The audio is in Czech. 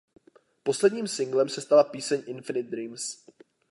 Poslední singlem se stala píseň "Infinite Dreams".